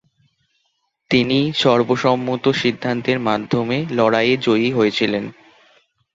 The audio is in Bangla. তিনি সর্বসম্মত সিদ্ধান্তের মাধ্যমে লড়াইয়ে জয়ী হয়েছিলেন।